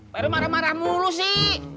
pak herwe marah marah mulu sih